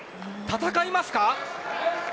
戦いますか。